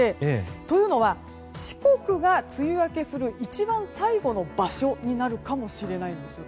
というのも四国が梅雨明けする一番最後の場所になるかもしれないんです。